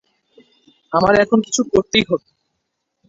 আমার এখন কিছু করতেই হবে।